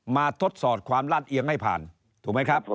ทดสอบความลาดเอียงให้ผ่านถูกไหมครับ